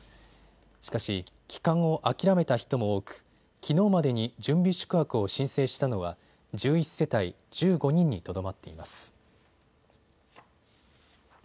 しかし、帰還を諦めた人も多くきのうまでに準備宿泊を申請したのは１１世帯１５人にとどまっています。